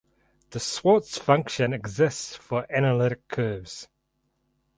The Schwarz function exists for analytic curves.